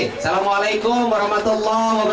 assalamualaikum warahmatullah wabarakatuh